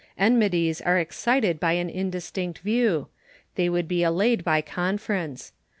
Enmi ties are excited by an indistinct view ; they would be allayed by conference.